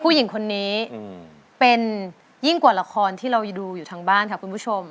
ผู้หญิงคนนี้เป็นยิ่งกว่าละครที่เราดูอยู่ทางบ้านค่ะคุณผู้ชม